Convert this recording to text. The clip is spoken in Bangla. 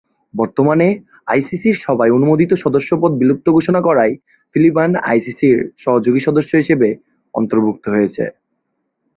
বর্তমানে, আইসিসির সভায় অনুমোদিত সদস্যপদ বিলুপ্ত ঘোষণা করায় ফিলিপাইন আইসিসির সহযোগী সদস্য হিসেবে অন্তর্ভুক্ত হয়েছে।